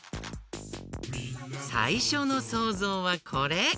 さいしょのそうぞうはこれ。